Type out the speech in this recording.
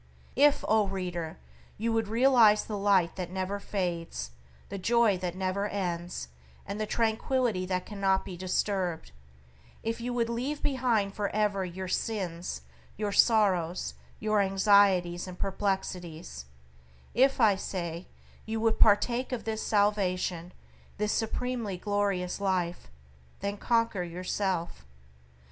If, O reader! you would realize the Light that never fades, the Joy that never ends, and the tranquillity that cannot be disturbed; if you would leave behind for ever your sins, your sorrows, your anxieties and perplexities; if, I say, you would partake of this salvation, this supremely glorious Life, then conquer yourself.